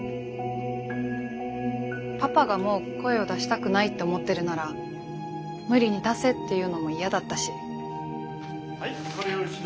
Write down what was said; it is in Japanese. パパがもう声を出したくないって思ってるなら無理に出せって言うのも嫌だったし。